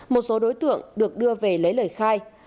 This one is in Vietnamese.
một số đối tượng được đưa về lấy lời khai